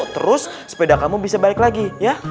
terus sepeda kamu bisa balik lagi ya